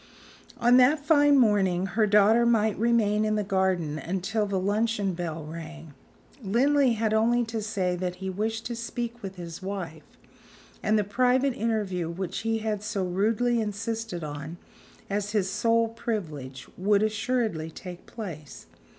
On that fine morning her daughter might remain in the garden until the luncheon bell rang. Linley had only to say that he wished to speak with his wife; and the private interview which he had so rudely insisted on as his sole privilege, would assuredly take place.